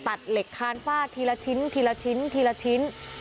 ตัดเหล็กคานฟาดทีละชิ้นทีละชิ้นทีละชิ้น